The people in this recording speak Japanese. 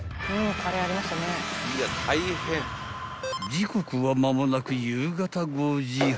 ［時刻は間もなく夕方５時半］